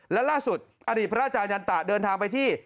และล่าสุดอดีตพระอาจารยันตะเดินทางไปที่